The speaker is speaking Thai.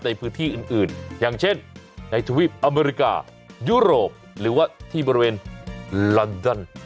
ในพื้นที่อื่นอย่างเช่นในทวีปอเมริกายุโรปหรือว่าที่บริเวณลอนดอน